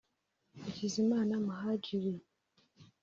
Hakizimana Muhadjiri